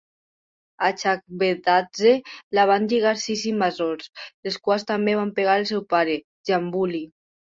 A Chakvetadze, la van lligar sis invasors, els quals també van pegar el seu pare, Djambuli.